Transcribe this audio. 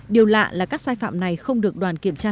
điều lạ là các sai phạm này không được đoàn kiểm tra